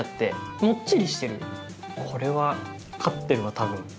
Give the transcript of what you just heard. これは勝ってるわ多分。